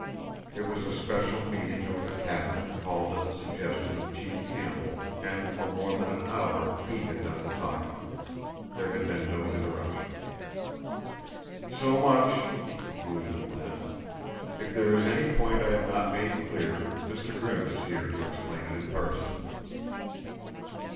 It was a special meeting of the cabinet called at the suggestion of Chief Campbell, and for more than an hour he had done the talking. There had been no interruption. "So much!" he concluded, at last. "If there is any point I have not made clear Mr. Grimm is here to explain it in person."